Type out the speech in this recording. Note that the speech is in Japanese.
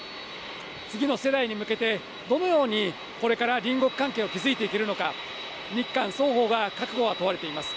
次の世代に向けて、どのようにこれから隣国関係を築いていけるのか、日韓双方が覚悟が問われています。